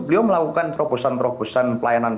beliau melakukan terobosan terobosan pelayanan